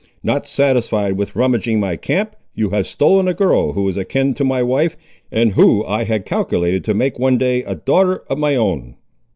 Not satisfied with rummaging my camp, you have stolen a girl who is akin to my wife, and who I had calculated to make one day a daughter of my own."